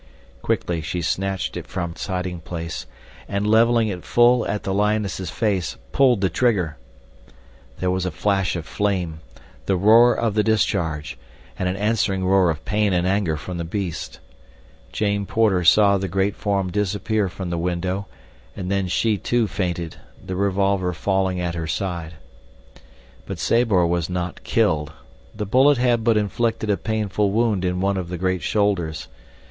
Quickly she snatched it from its hiding place, and, leveling it full at the lioness's face, pulled the trigger. There was a flash of flame, the roar of the discharge, and an answering roar of pain and anger from the beast. Jane Porter saw the great form disappear from the window, and then she, too, fainted, the revolver falling at her side. But Sabor was not killed. The bullet had but inflicted a painful wound in one of the great shoulders.